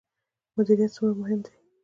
مدیریت څومره مهم دی؟